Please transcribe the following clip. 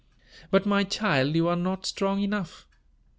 "But, my child, you are not strong enough!"